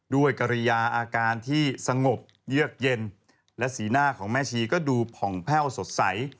กริยาอาการที่สงบเยือกเย็นและสีหน้าของแม่ชีก็ดูผ่องแพ่วสดใส